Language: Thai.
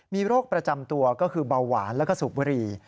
มีโรคประจำตัวก็คือเบาหวานแล้วก็สูบบุรี